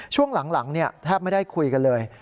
ช่วงหลังแทบไม่ได้คุยกันเลย